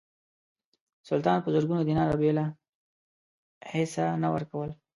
سلطان په زرګونو دیناره بېله هیڅه نه ورکول.